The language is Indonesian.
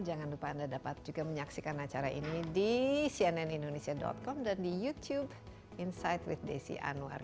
jangan lupa anda dapat juga menyaksikan acara ini di cnnindonesia com dan di youtube insight with desi anwar